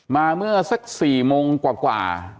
มาเมื่อสัก๔โมงกว่า